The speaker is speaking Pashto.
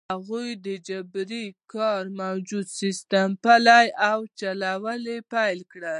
هغوی د جبري کار موجوده سیستم پلی او چلول پیل کړ.